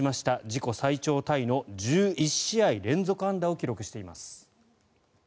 自己最長タイの１１試合連続安打を記録しています。